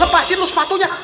lepasin lu sepatunya